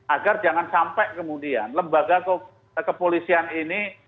agar jangan sampai kemudian lembaga kepolisian ini